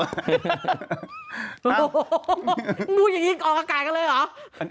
โอ้โฮมึงพูดอย่างนี้ก่อนกระกายกันเลยเหรอ